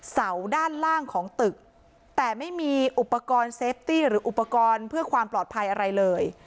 เสาด้านล่างของตึกแต่ไม่มีอุปกรณ์เซฟตี้หรืออุปกรณ์เพื่อความปลอดภัยอะไรเลย